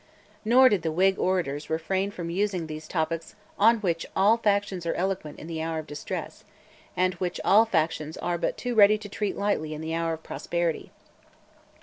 Nor did the Whig orators refrain from using those topics on which all factions are eloquent in the hour of distress, and which all factions are but too ready to treat lightly in the hour of prosperity.